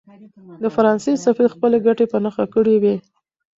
د فرانسې سفیر خپلې ګټې په نښه کړې وې.